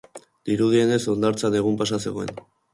Dirudienez, hondartzan egun-pasa zegoen.